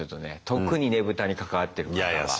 特にねぶたに関わってる方は。